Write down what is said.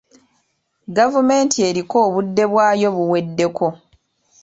Gavumenti eriko obudde bwayo buweddeko.